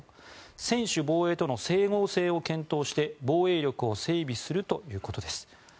専守防衛との整合性を検討して防衛力を整備するということです。